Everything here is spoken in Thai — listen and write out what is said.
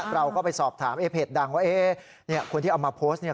เราก็ไปสอบถามไอ้เพจดังว่าเอ๊ะเนี่ยคนที่เอามาโพสต์เนี่ย